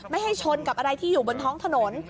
ไม่ให้ชนกับอะไรที่อยู่บนท้องถนน